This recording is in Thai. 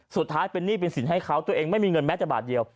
สุดท้ายเป็นหนี้เป็นสินให้เขาตัวเองไม่มีเงินแม้แต่บาทเดียว